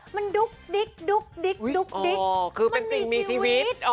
มันดุ๊กดิ๊กดุ๊กดิ๊กดุ๊กดิ๊กคือเป็นสิ่งมีชีวิต